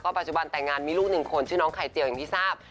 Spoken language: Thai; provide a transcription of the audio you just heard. ปัจจุบันแต่งงานมีลูกหนึ่งคนชื่อน้องไข่เจียวอย่างที่ทราบ